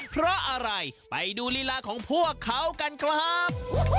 เพราะอะไรไปดูลีลาของพวกเขากันครับ